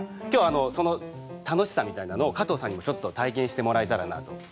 今日はその楽しさみたいなのを加藤さんにもちょっと体験してもらえたらなと。